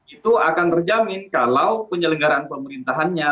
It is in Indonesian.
itu akan terjamin kalau penyelenggaraan pemerintahannya